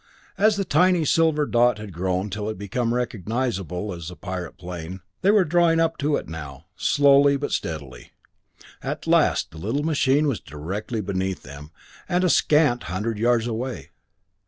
At last the tiny silver dot had grown till it became recognizable as the pirate plane. They were drawing up to it now, slowly, but steadily. At last the little machine was directly beneath them, and a scant hundred yards away.